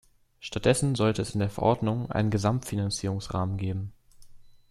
Stattdessen sollte es in der Verordnung einen Gesamtfinanzierungsrahmen geben.